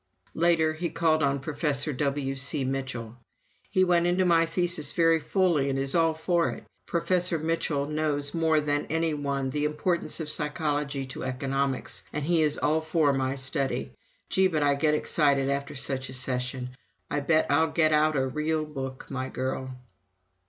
Later he called on Professor W.C. Mitchell. "He went into my thesis very fully and is all for it. Professor Mitchell knows more than any one the importance of psychology to economics and he is all for my study. Gee, but I get excited after such a session. I bet I'll get out a real book, my girl!"